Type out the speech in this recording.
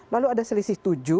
lalu ada selisih tujuh